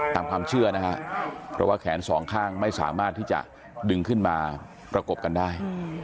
ตามความเชื่อนะฮะเพราะว่าแขนสองข้างไม่สามารถที่จะดึงขึ้นมาประกบกันได้